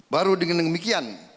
baru dengan demikian